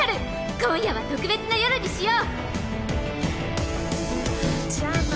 今夜は特別な夜にしよう！